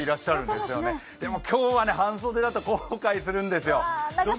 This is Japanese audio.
でも今日は半袖だと後悔するんですよ。